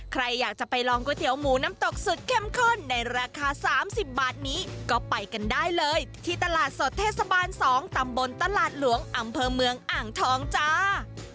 ใครอยากจะไปลองก๋วยเตี๋ยวหมูน้ำตกสุดเข้มข้นในราคา๓๐บาทนี้ก็ไปกันได้เลยที่ตลาดสดเทศบาล๒ตำบลตลาดหลวงอำเภอเมืองอ่างทองจ้า